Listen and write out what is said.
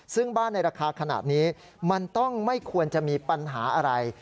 ซึ่งบ้านในราคาขนาดนี้มันต้องไม่ควรจะมีปัญหาอะไร